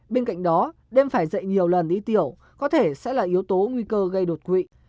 bên cạnh đó đêm phải dậy nhiều lần đi tiểu có thể sẽ là yếu tố nguy cơ gây đột quỵ